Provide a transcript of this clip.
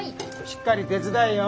しっかり手伝えよ。